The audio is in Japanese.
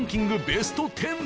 ベスト１０。